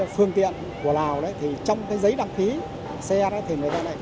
phương tiện của lào trong giấy đăng ký xe thì người ta lại không có